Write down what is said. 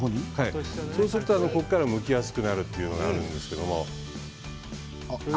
そうすると、ここからむきやすくなるというのがあるんですけど。